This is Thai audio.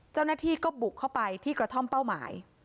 เจ้าหน้าที่ก็บุกเข้าไปที่กระท่อมเป้าหมาย